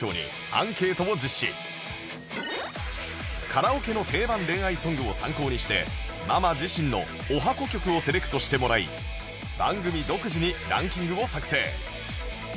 カラオケの定番恋愛ソングを参考にしてママ自身の十八番曲をセレクトしてもらい番組独自にランキングを作成